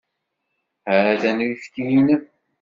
Ha-t-an uyefki-inem.